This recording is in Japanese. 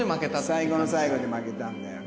最後の最後で負けたんだよな。